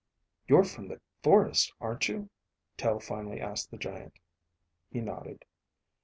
"You're from the forest, aren't you?" Tel finally asked the giant. He nodded.